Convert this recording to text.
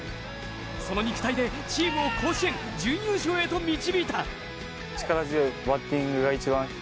その肉体でチームを甲子園準優勝へと導いた。